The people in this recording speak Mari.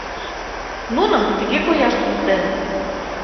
Нуным тыге кояш туныктеныт.